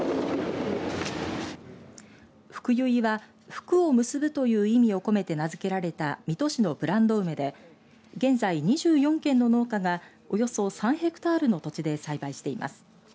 ふくゆいは福を結ぶという意味を込めて名付けられた水戸市のブランド梅で現在２４軒の農家がおよそ３ヘクタールの土地で栽培しています。